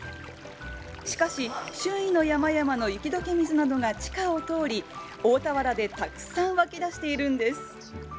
しかし、周囲の山々の雪どけ水などが地下を通り、大田原でたくさん湧き出しているんです。